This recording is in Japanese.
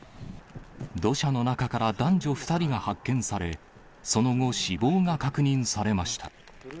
土砂の中から男女２人が発見され、その後、死亡が確認されました。